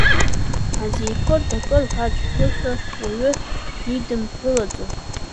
Азеифыр дакыр ҳәа дшәошәа, уаҩы дидымҳәылаӡо…